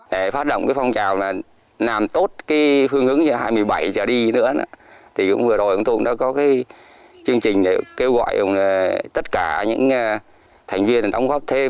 để phát động phong trào làm tốt phương ứng hai mươi bảy trở đi nữa vừa rồi tổ cũng đã có chương trình kêu gọi tất cả những thành viên đóng góp thêm